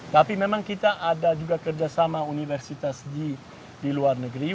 tapi memang kita ada juga kerjasama universitas di luar negeri